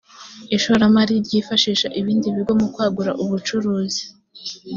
ishoramari ryifashisha ibindi bigo mukwagura ubucuruzi.